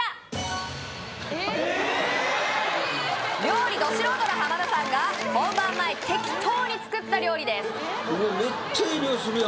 料理ど素人の浜田さんが本番前適当に作った料理ですははは